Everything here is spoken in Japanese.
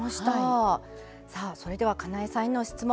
それではかなえさんへの質問